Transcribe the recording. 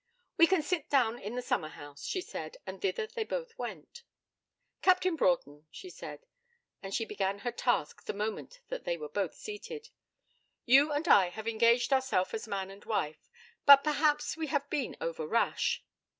'We can sit down in the summer house,' she said; and thither they both went. 'Captain Broughton,' she said and she began her task the moment that they were both seated 'You and I have engaged ourselves as man and wife, but perhaps we have been over rash.'